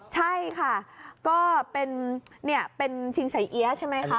ใช่ค่ะก็เป็นชิงใส่เอี๊ยะใช่ไหมคะ